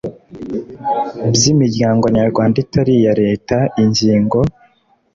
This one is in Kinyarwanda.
by imiryango nyarwanda itari iya leta ingingo